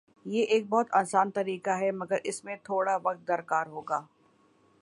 یہ ایک بہت آسان طریقہ ہے مگر اس میں تھوڑا وقت کار ہوگا